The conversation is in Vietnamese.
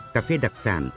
cà phê đặc sản